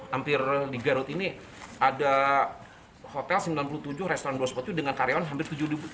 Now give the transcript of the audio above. hampir di garut ini ada hotel sembilan puluh tujuh restoran dua ratus empat puluh tujuh dengan karyawan hampir tujuh dua ratus